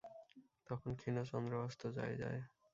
তখন ক্ষীণ চন্দ্র অস্ত যায় যায়।